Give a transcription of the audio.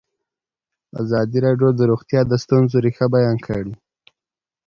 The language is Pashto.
ازادي راډیو د روغتیا د ستونزو رېښه بیان کړې.